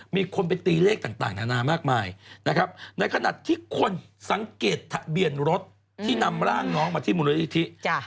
มีคนไปตีเลขต่างนานามากมายนะครับในขณะที่คนสังเกตทะเบียนรถที่นำร่างน้องมาที่มูลนิธิ